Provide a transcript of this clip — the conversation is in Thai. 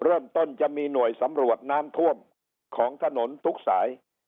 จะมีหน่วยสำรวจน้ำท่วมของถนนทุกสาย